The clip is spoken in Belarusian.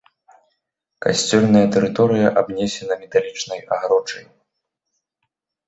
Касцёльная тэрыторыя абнесена металічнай агароджай.